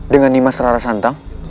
dengan ni mas rara santang